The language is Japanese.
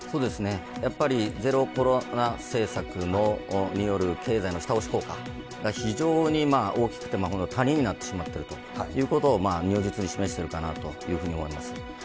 やっぱりゼロコロナ政策による経済の下押し効果が非常に大きくなって、谷になってしまっているということを実に示しているかなと思います。